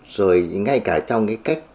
rồi ngay cả trong cái cách